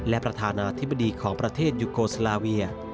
และประธานาธิบดีของประเทศยูโกสลาเวีย